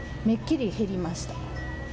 めっきり減りました。